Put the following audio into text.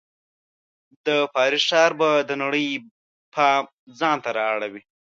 د پاریس ښار به د نړۍ پام ځان ته راواړوي.